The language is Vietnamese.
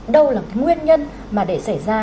đâu là nguyên nhân mà để xảy ra